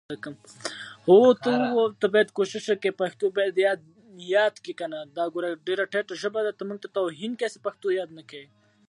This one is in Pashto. چای به ډېر ژر تیار شي.